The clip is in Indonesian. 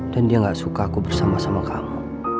dan dia gak suka aku bersama sama kamu